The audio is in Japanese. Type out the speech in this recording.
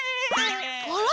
あら？